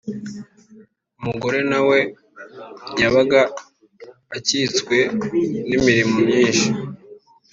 umugore nawe yabaga akitswe n’imirimo myinshi